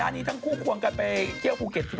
อันนี้ทั้งคู่ควงกันไปเที่ยวภูเก็ต